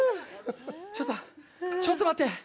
ちょっと、ちょっと待って。